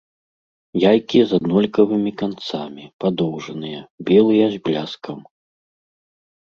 Яйкі з аднолькавымі канцамі, падоўжаныя, белыя з бляскам.